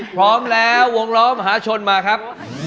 พร้อมแล้ววงล้อมหาชนมาครับ